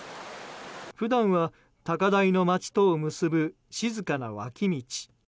普段は高台の街とを結ぶ静かな脇道。